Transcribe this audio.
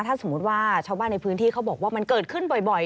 ถ้าสมมุติว่าชาวบ้านในพื้นที่เขาบอกว่ามันเกิดขึ้นบ่อย